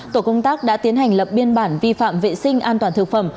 tổ công tác đã tiến hành lập biên bản vi phạm vệ sinh an toàn thực phẩm